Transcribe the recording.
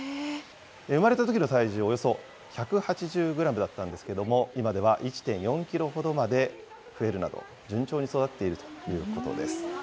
生まれたときの体重、およそ１８０グラムだったんですけれども、今では１．４キロほどまで増えるなど、順調に育っているということです。